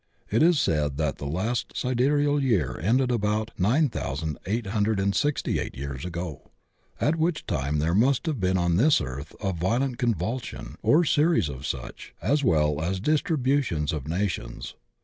It is said that the last sidereal year ended about 9,868 years ago, at which time there must have been on this earth a violent con vulsion or series of such, as well as distributions of nations.